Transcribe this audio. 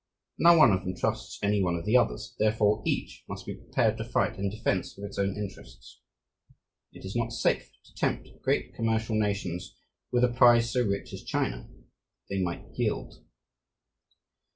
No one of them trusts any one of the others, therefore each must be prepared to fight in defense of its own interests. It is not safe to tempt great commercial nations with a prize so rich as China; they might yield.